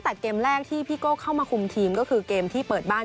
แต่เกมแรกที่พี่โก้เข้ามาคุมทีมก็คือเกมที่เปิดบ้าน